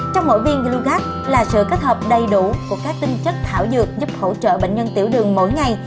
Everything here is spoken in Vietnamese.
trong mỗi viên glogat là sự kết hợp đầy đủ của các tinh chất thảo dược giúp hỗ trợ bệnh nhân tiểu đường mỗi ngày